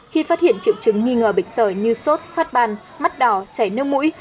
khi phát hiện triệu chứng nghi ngờ bệnh sởi như sốt phát ban mắt đỏ chảy nước mũi